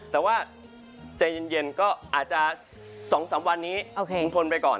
แต่ว่าใจเย็นก็อาจจะสองสามวันนี้ทุ่งทนไปก่อน